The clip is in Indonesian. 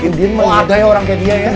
indien mengidai orang kayak dia ya